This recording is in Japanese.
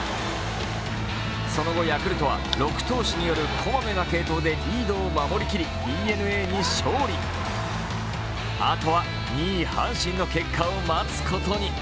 その後、ヤクルトは６投手による小まめな継投でリードを守りきりＤｅＮＡに勝利、あとは２位・阪神の結果を待つことに。